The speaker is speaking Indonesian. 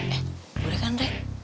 eh boleh kan re